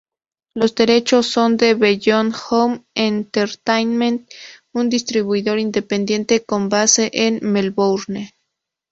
Los derechos son de "Beyond Home Entertainment", un distribuidor independiente con base en Melbourne.